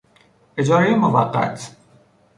اجارهی موقت